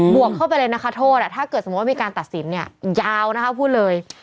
วกเข้าไปเลยนะคะโทษถ้าเกิดสมมุติว่ามีการตัดสินเนี่ยยาวนะคะพูดเลย